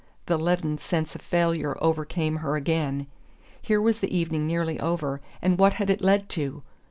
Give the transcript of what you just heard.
The leaden sense of failure overcame her again. Here was the evening nearly over, and what had it led to?